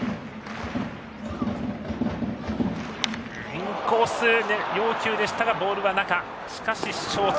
インコース要求でしたがボールは中。